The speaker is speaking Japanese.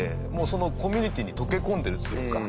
そのコミュニティーに溶け込んでるというか。